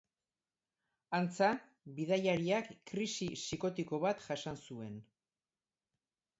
Antza, bidaiariak krisi psikotiko bat jasan zuen.